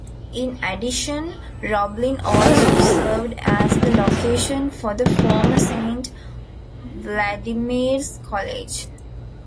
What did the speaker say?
In addition, Roblin also served as the location for the former Saint Vladimir's College.